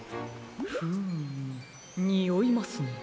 フームにおいますね。